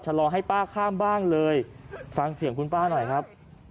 รอให้ป้าข้ามบ้างเลยฟังเสียงคุณป้าหน่อยครับ